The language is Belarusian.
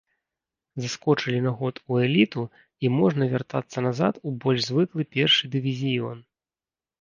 Заскочылі на год у эліту і можна вяртацца назад у больш звыклы першы дывізіён.